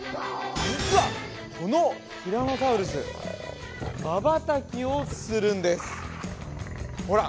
実はこのティラノサウルスまばたきをするんですほら